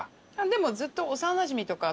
でもずっと幼なじみとか。